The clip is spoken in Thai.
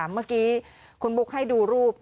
เมื่อกี้คุณบุ๊คให้ดูรูป